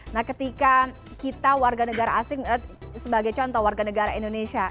nah ketika kita warga negara asing sebagai contoh warga negara indonesia